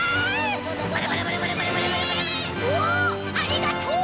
ありがとう！